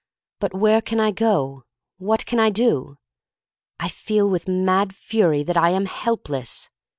But where can I go, what can I do? I feel with mad fury that I am helpless.